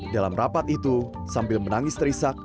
dalam rapat itu sambil menangis terisak